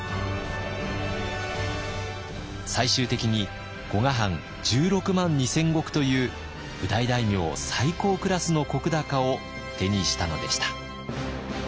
最終的に古河藩１６万２，０００石という譜代大名最高クラスの石高を手にしたのでした。